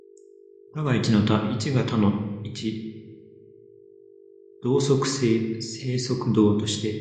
多が一の多、一が多の一、動即静、静即動として、